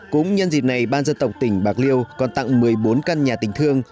cũng nhân dịp này ban dân tộc tỉnh bạc liêu còn tặng một mươi bốn căn nhà tỉnh thương